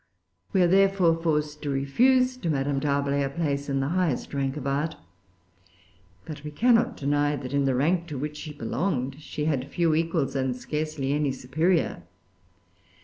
We are, therefore, forced to refuse to Madame D'Arblay a place in the highest rank of art; but we cannot deny that in the rank to which she belonged, she had few equals, and scarcely any superior.